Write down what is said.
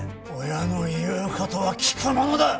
親の言う事は聞くものだ！